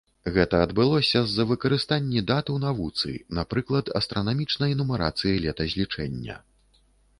Гэта адбылося з-за выкарыстанні дат у навуцы, напрыклад, астранамічнай нумарацыі летазлічэння.